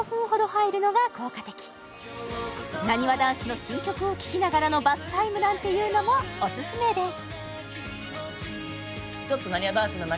なにわ男子の新曲を聴きながらのバスタイムなんていうのもオススメです